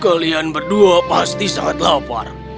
kalian berdua pasti sangat lapar